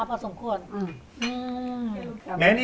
ของคุณยายถ้วน